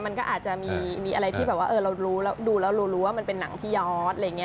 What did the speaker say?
มันก็อาจจะมีอะไรที่แบบว่าเราดูแล้วรู้ว่ามันเป็นหนังพี่ยอด